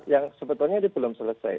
yang sebetulnya ini belum selesai